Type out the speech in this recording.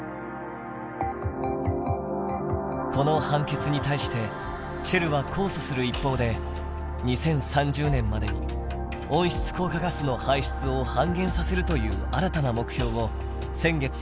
この判決に対してシェルは控訴する一方で２０３０年までに温室効果ガスの排出を半減させるという新たな目標を先月発表しました。